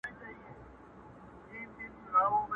o د مرور برخه د کونه ور ده!